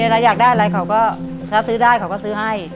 อยากได้อะไรเขาก็ถ้าซื้อได้เขาก็ซื้อให้